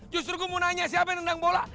justru gue mau nanya siapa yang nendang bola